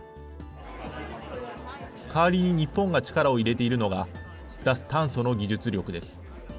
代わりに日本が力を入れているのが脱炭素の技術力です。